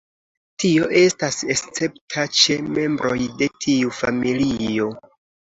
Tio estas escepta ĉe membroj de tiu familio.